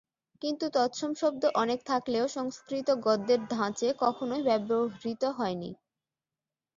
কিন্তু তৎসম শব্দ অনেক থাকলেও সংস্কৃত গদ্যের ধাঁচে কখনোই ব্যবহৃত হয়নি।